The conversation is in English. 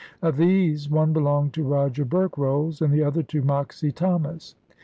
Of these one belonged to Roger Berkrolles, and the other to Moxy Thomas.